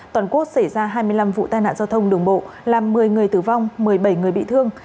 toàn quốc xảy ra hai mươi năm vụ tai nạn giao thông đường bộ làm một mươi người tử vong một mươi bảy người bị thương